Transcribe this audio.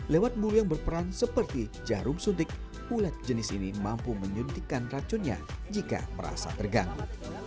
lewat buru yang berperan seperti jarum suntik ulet jenis ini mampu menyuntikkan racunnya jika merasa terganggu